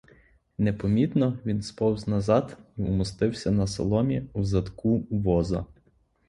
Непомітно він сповз назад і умостився на соломі в задку воза.